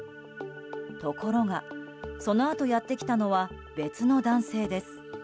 ところが、そのあとやってきたのは別の男性です。